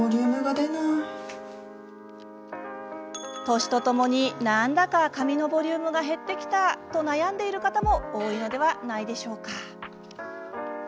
年とともに、何だか髪のボリュームが減ってきたと悩んでいる方も、多いのでは。